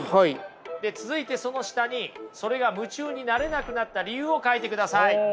で続いてその下にそれが夢中になれなくなった理由を書いてください。